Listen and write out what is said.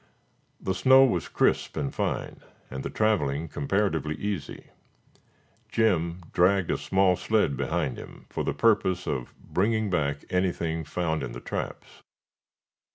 The snow was crisp and fine, and the traveling comparatively easy. Jim dragged a small sled behind him for the purpose of bringing back anything found in the traps.